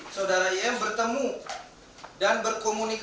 saudara im dan beberapa orang yang diduga sebagai penasehat hukum